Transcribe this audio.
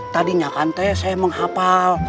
tadinya kan teh saya menghapal